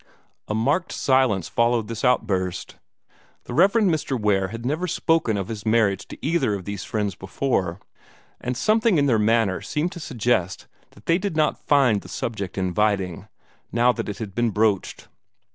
A marked silence followed this outburst. The Rev. Mr. Ware had never spoken of his marriage to either of these friends before; and something in their manner seemed to suggest that they did not find the subject inviting, now that it had been broached.